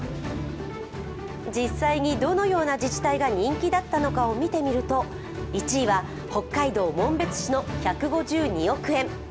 実際にどのような自治体が人気だったのかを見てみると１位は北海道紋別市の１５２億円。